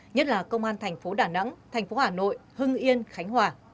nhất là công an thành phố đà nẵng thành phố hà nội hưng yên khánh hòa